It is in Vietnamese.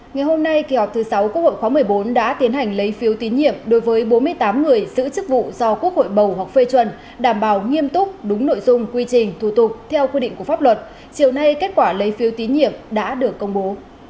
ngày hôm nay kỳ họp thứ sáu quốc hội khóa một mươi bốn đã tiến hành lấy phiếu tín nhiệm đối với bốn mươi tám người giữ chức vụ do quốc hội bầu hoặc phê chuẩn đảm bảo nghiêm túc đúng nội dung quy trình thủ tục theo quy định của pháp luật chiều nay kết quả lấy phiếu tín nhiệm đã được công bố